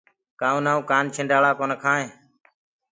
ڪآ اُنآ ڪوُ ڪآنڇنڊآزݪآ ڪونآ کآئينٚ۔